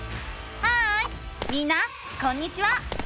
ハーイみんなこんにちは！